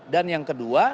dan yang kedua